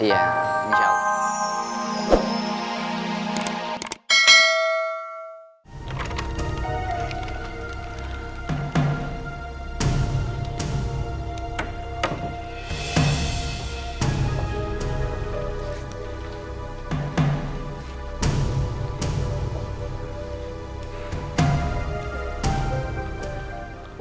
iya insya allah